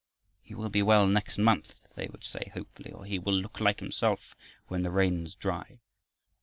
"He will be well next month," they would say hopefully, or, "He will look like himself when the rains dry."